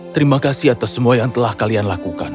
terima kasih atas semua yang telah kalian lakukan